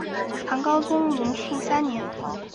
唐高宗龙朔三年。